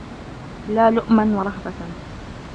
لَا لُؤْمًا وَرَهْبَةً